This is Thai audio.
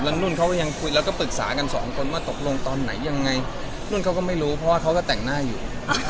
แล้วนุ่นเขาก็ยังคุยแล้วก็ปรึกษากันสองคนว่าตกลงตอนไหนยังไงนุ่นเขาก็ไม่รู้เพราะว่าเขาก็แต่งหน้าอยู่